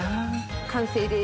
完成です。